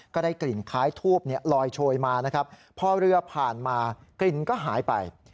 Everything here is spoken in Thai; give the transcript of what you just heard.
ก็ได้กลิ่นคล้ายทูบลอยโชยมานะครับพอเรือผ่านมากลิ่นก็หายไป